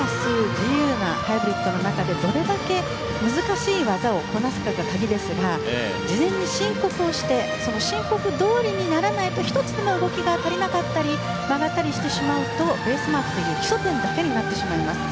自由なハイブリッドの中でどれだけ難しい技をこなすかが鍵ですが事前に申告をして申告どおりにならないと１つでも動きが足りなかったり曲がったりしてしまうとベースマークという基礎点だけになってしまいます。